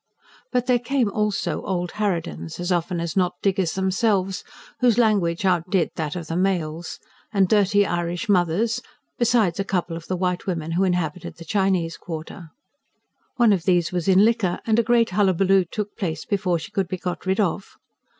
But there also came old harridans as often as not, diggers themselves whose language outdid that of the males, and dirty Irish mothers; besides a couple of the white women who inhabited the Chinese quarter. One of these was in liquor, and a great hullabaloo took place before she could be got rid of.